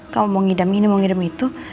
kamu mau ngidam ini mau ngirim itu